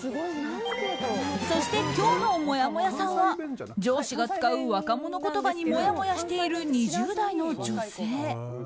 そして今日のもやもやさんは上司が使う若者言葉にもやもやしている２０代の女性。